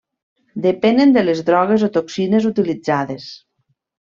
Depenen de les drogues o toxines utilitzades.